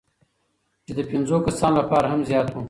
چې د پنځو کسانو لپاره هم زیات وو،